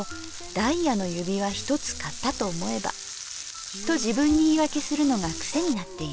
ダイヤの指輪一つ買ったと思えばと自分に言いわけするのが癖になっている。